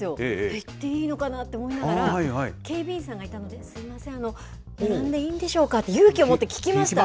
行っていいのかな？って思いながら、警備員さんがいたので、すみません、並んでいいんでしょうか聞きました？